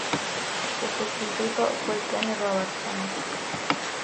Su sustituto fue Kenny Robertson.